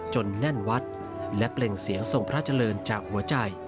แน่นวัดและเปล่งเสียงทรงพระเจริญจากหัวใจ